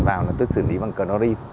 nào là tôi xử lý bằng cờ nori